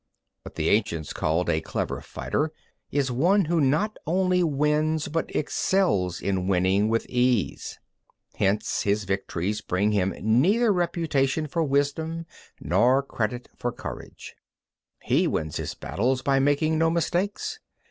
11. What the ancients called a clever fighter is one who not only wins, but excels in winning with ease. 12. Hence his victories bring him neither reputation for wisdom nor credit for courage. 13. He wins his battles by making no mistakes.